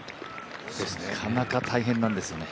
なかなか大変なんですよね